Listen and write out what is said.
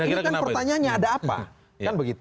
ini kan pertanyaannya ada apa